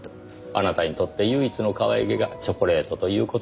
あなたにとって唯一のかわいげがチョコレートという事ですか。